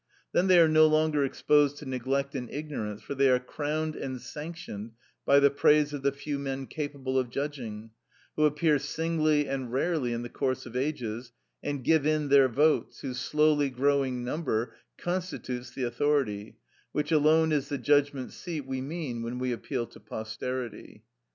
Then they are no longer exposed to neglect and ignorance, for they are crowned and sanctioned by the praise of the few men capable of judging, who appear singly and rarely in the course of ages,(57) and give in their votes, whose slowly growing number constitutes the authority, which alone is the judgment seat we mean when we appeal to posterity.